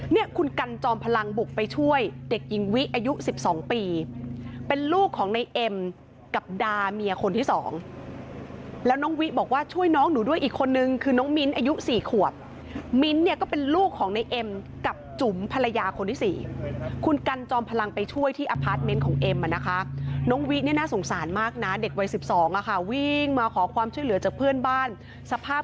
เนี่ยคุณกันจอมพลังบุกไปช่วยเด็กหญิงวิอายุ๑๒ปีเป็นลูกของในเอ็มกับดาเมียคนที่สองแล้วน้องวิบอกว่าช่วยน้องหนูด้วยอีกคนนึงคือน้องมิ้นอายุ๔ขวบมิ้นท์เนี่ยก็เป็นลูกของในเอ็มกับจุ๋มภรรยาคนที่๔คุณกันจอมพลังไปช่วยที่อพาร์ทเมนต์ของเอ็มอ่ะนะคะน้องวิเนี่ยน่าสงสารมากนะเด็กวัย๑๒อ่ะค่ะวิ่งมาขอความช่วยเหลือจากเพื่อนบ้านสภาพ